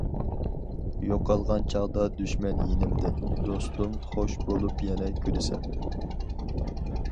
يوقالغان چاغدا دۈشمەن يېنىمدىن، دوستۇم خوش بولۇپ يەنە كۈلىسەن.